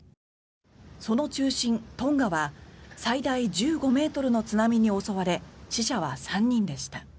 その中心、トンガは最大１５ｍの津波に襲われ死者は３人でした。